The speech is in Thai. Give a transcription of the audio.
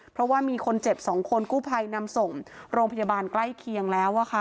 เพราะว่ามีคนเจ็บ๒คนกู้ภัยนำส่งโรงพยาบาลใกล้เคียงแล้ว